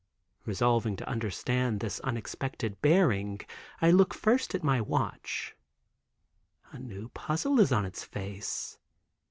Resolving to understand this unexpected bearing, I look first at my watch. A new puzzle is on its face.